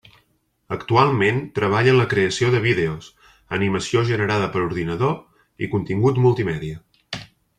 Actualment treballa en la creació de vídeos, animació generada per ordinador i contingut multimèdia.